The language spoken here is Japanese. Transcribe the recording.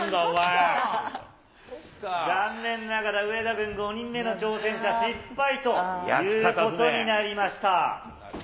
残念ながら上田軍、５人目の挑戦者、失敗ということになりました。